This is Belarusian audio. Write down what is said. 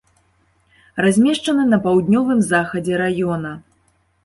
Размешчаны на паўднёвым захадзе раёна.